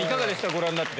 ご覧になって。